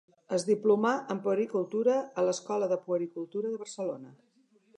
Es diplomà en puericultura a l'Escola de Puericultura de Barcelona.